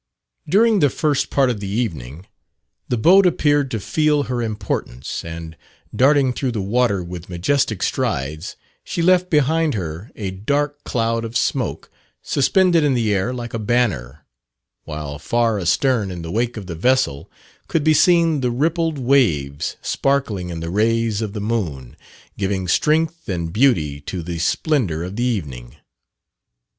During the first part of the evening, the boat appeared to feel her importance, and, darting through the water with majestic strides, she left behind her a dark cloud of smoke suspended in the air like a banner; while, far astern in the wake of the vessel, could be seen the rippled waves sparkling in the rays of the moon, giving strength and beauty to the splendour of the evening.